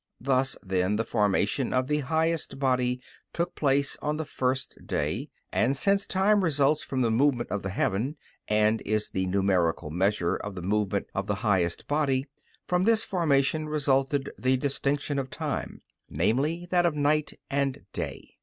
Thus, then, the formation of the highest body took place on the first day. And since time results from the movement of the heaven, and is the numerical measure of the movement of the highest body, from this formation, resulted the distinction of time, namely, that of night and day.